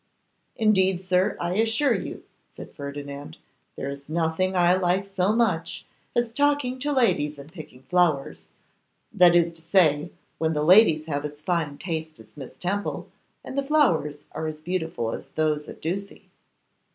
'Indeed, sir, I assure you,' said Ferdinand, 'there is nothing I like so much as talking to ladies and picking flowers; that is to say, when the ladies have as fine taste as Miss Temple, and the flowers are as beautiful as those at Ducie.